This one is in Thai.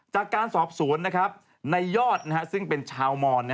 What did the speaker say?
จากการสอบสวนในยอดซึ่งเป็นชาวมอน